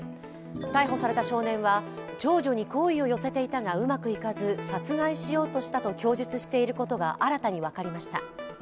逮捕された少年は長女に好意を寄せていたがうまくいかず殺害しようとしたと供述していることが新たに分かりました。